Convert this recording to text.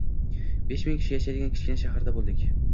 Besh ming kishi yashaydigan kichkina shaharda bo‘ldik.